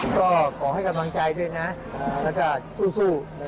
ก็ขอให้กำลังใจด้วยนะแล้วก็สู้